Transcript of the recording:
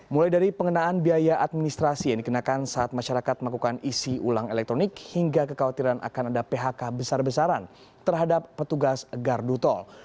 mulai dari pengenaan biaya administrasi yang dikenakan saat masyarakat melakukan isi ulang elektronik hingga kekhawatiran akan ada phk besar besaran terhadap petugas gardu tol